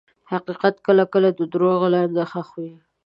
حقیقت کله کله د دروغو لاندې ښخ وي.